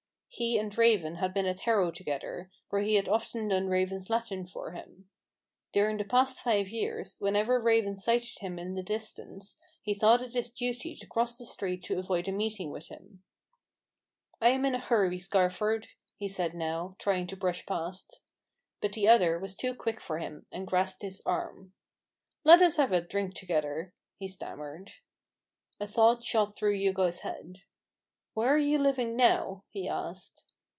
He and Raven had been at Harrow together, where he had often done Raven's Latin for him. During the past five years, l6o A BOOK OF BARGAINS. whenever Raven sighted him in the distance, he thought it his duty to cross the street to avoid a meeting with him. " I am in a hurry, Scarford," he said now, trying to brush past. But the other was too quick for him, and grasped his arm. " Let us have a drink together," he stammered. A thought shot through Hugo's head. "Where are you living now?" he asked.